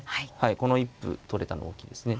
この一歩取れたの大きいですね。